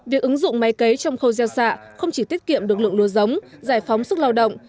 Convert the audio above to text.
việc ứng dụng máy cấy trong khâu gieo xạ không chỉ tiết kiệm được lượng lúa giống giải phóng sức lao động